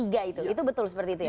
itu betul seperti itu ya